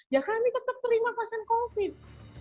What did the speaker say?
ya kami tetap terima pasien covid